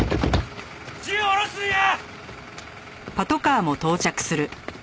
銃を下ろすんや！